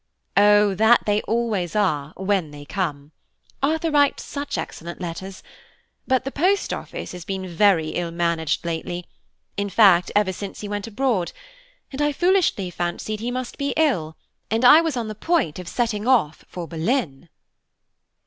"Oh, that they always are when they come! Arthur writes such excellent letters! but the post office has been very ill managed lately–in fact, ever since he went abroad–and I foolishly fancied he must be ill, and I was on the point of setting off for Berlin."